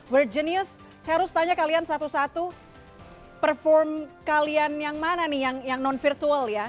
world genius saya harus tanya kalian satu satu perform kalian yang mana nih yang non virtual ya